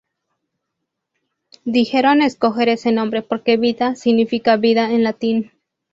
Dijeron escoger ese nombre porque "vita" significa "vida" en latín.